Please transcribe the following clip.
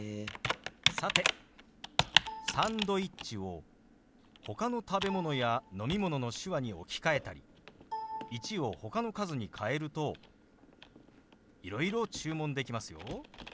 さて「サンドイッチ」をほかの食べ物や飲み物の手話に置き換えたり「１」をほかの数に変えるといろいろ注文できますよ。